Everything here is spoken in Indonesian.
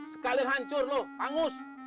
sekalian hancur lu hangus